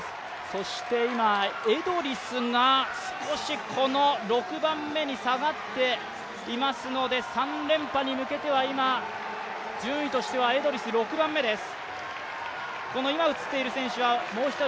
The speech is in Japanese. そして今、エドリスが少し６番目に下がっていますので３連覇に向けては今、順位としてはエドリス、６番目です。